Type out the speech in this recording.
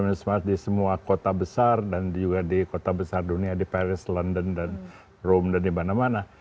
smart di semua kota besar dan juga di kota besar dunia di paris london dan room dan di mana mana